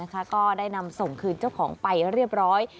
ก็ได้นำส่งคืนเจ้าของไปเรียบร้อย